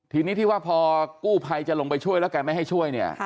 ทีนี้ที่ว่าพอกู้ภัยจะลงไปช่วยแล้วแกไม่ให้ช่วยเนี่ย